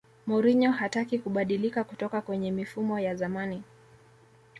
mourinho hataki kubadilika kutoka kwenye mifumo ya zamani